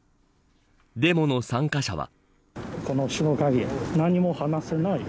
デモの参加者は。